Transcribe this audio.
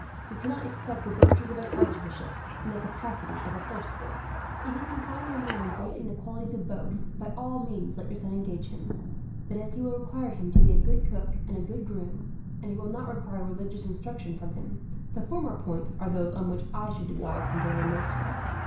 You cannot expect the virtues of an archbishop, and the capacity of a horse boy. If he can find a man embracing the qualities of both, by all means let your son engage him; but as he will require him to be a good cook, and a good groom, and he will not require religious instruction from him, the former points are those on which I should advise him to lay most stress.